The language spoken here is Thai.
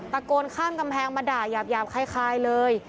ตะโกนข้ามกำแพงมาด่ายาบคล้ายเลย